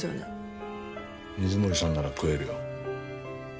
水森さんなら食えるよ。